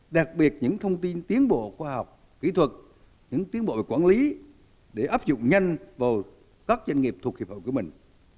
đặc biệt những thông tin tiến bộ khoa học kỹ thuật những tiến bộ quản lý để áp dụng nhanh vào các doanh nghiệp thuộc hiệp hội của mình